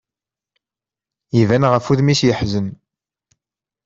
Iban ɣef wudem-is yeḥzen.